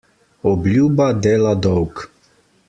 Obljuba dela dolg.